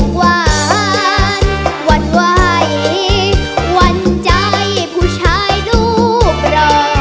อกวานวันวายวันใจผู้ชายลูกหล่อ